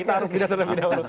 kita harus jeda terlebih dahulu